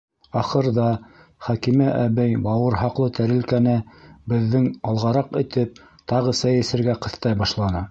Ахырҙа Хәкимә әбей бауырһаҡлы тәрилкәне беҙҙең алғараҡ этеп, тағы сәй эсергә ҡыҫтай башланы.